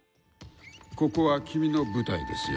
ここは君の舞台ですよ。